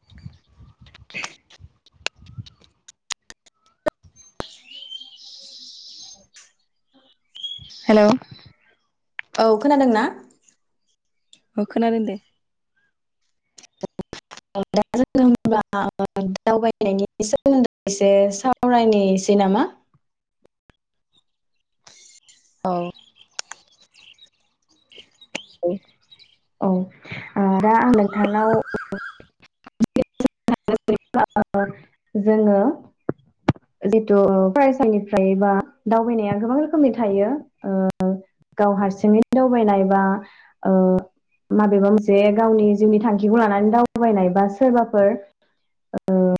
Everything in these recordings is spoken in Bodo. [inaudible] [inaudible] हेल' । औ खोनादोंना? औ खोनादों दे। दा जोङो होनब्ला दावबायनायनि सोमोन्दै एसे सावरायनायसै नामा? औ । औ दा आं नोंथांनाव [inaudible] जोङो जिथु फरायसानिफ्राय बा दावबायनाया गोबां रोखोमनि थायो । ओ गाव हारसिङै दावबायनाय बा माबेबा मोनसे गावनि जिउनि थांखिखौ लानानै दावबायनाय बा सोरबाफोर ओ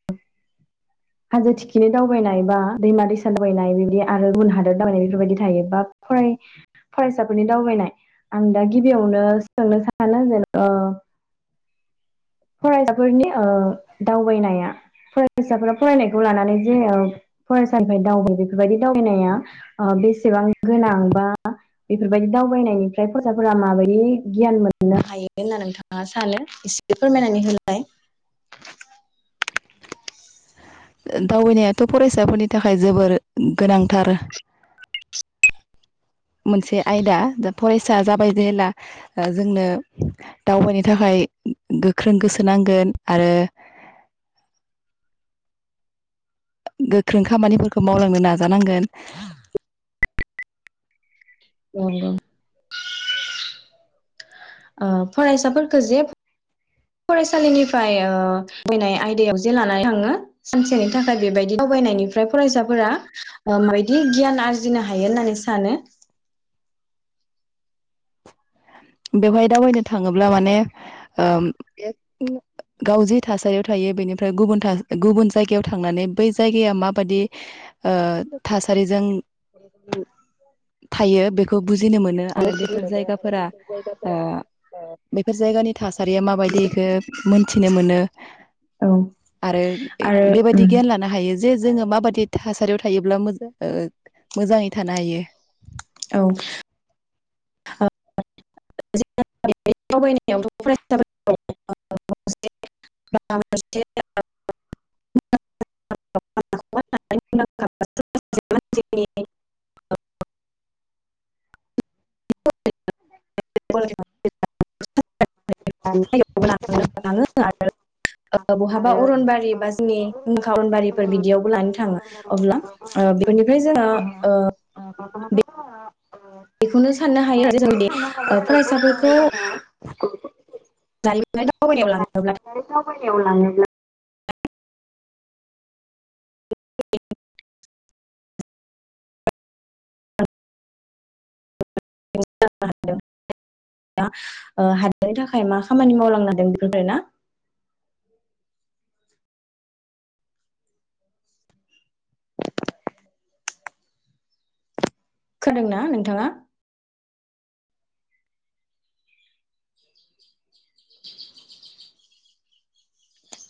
हाजो थिखिनि दावबायनाय बा दैमा दैसा दावबायनाय बिबदि आरो गुबुन हादर दावबायनाय बेफोरबायदि थायो । बा फ्राय फरायसाफोरनि दावबायनाय आं दा गिबियावनो सोलोंनो सानो जेनेबा ओ फरायसाफोरनि ओ दावबायनाया फरायसाफोरा फरायनायखौ लानानै जे फरायसाानिफ्राय दावबाया बेफोरबायदि दावबायनाया बेसेबां गोनां बा बेफोरबायदि दावबायनायनिफ्राय फरायसाफोरा माबायदि गियान मोननो हायो होनना नोंथाङा सानो एसे बेफोरमायनानै होलाय । दावबायनायाथ' फरायसाफोरनि थाखाय जोबोर गोनांथार । मोनसे आयदा फरायसा जाबाय जेब्ला जोंनो दावबायनो थाखाय गोख्रों गोसो नांगोन आरो । गोख्रों खामानिफोरखौ मावलांनो नाजानांगोन । नंगौ । ओ फरायसाफोरखौ जे फरायसालिनिफ्राय थबायनाय आयदायाव जे लानानै थाङो सानसेनि थाखाय बेबायदि दावबायनायनिफ्राय फरायसाफोरा माबायदि गियान आरजिनो हायो होननानै सानो। बेवहाय दावबायनो थाङोब्ला माने ओ । गाव जि थासारियाव थायो बेनिफ्राय गुबुन गुबुन जायगायाव थांनानै बै जाय गाया मा बादि ओ थासारिजों [inaudible] थायो बेखौ बुजिनो मोनो आरो बेफोर जायगाफोरा ओ बेफोर जायगानि थासारिया माबायदि इखो मोनथिनो मोनो औ आरो आरो बेबायदि उम गियान लानो हायो। जे जोङो माबाददि थासारियाव थायोब्ला मोजा मोजाङै थानो हायो। औ [inaudible] [inaudible] [inaudible] [inaudible] बहाबा अरनबारि बा जोंनि [inaudible] अनबारिफोर बिदियावबो लानो थाङो अब्ला बेनिफ्राय जोङो ओ बेखौनो साननो हायो [inaudible] जोंदि फरायसाफोरखौ [inaudible] जारिमिनारि दावबायनायाव लाङोब्ला दावबायनायाव लाङोब्ला [unintelligible] [unintelligible] ओ हादोरनि थाखाय मा खामानि मावलांनादो बेफोरखौ आरोना? खोनादों ना नोंथाङा?